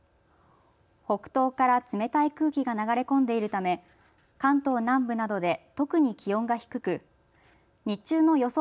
北東から冷たい空気が流れ込んでいるため関東南部などで特に気温が低く日中の予想